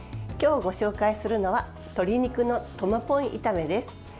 今日ご紹介するのは鶏肉のトマポン炒めです。